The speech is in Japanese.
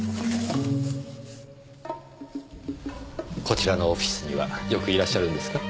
こちらのオフィスにはよくいらっしゃるんですか？